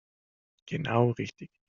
Genau richtig.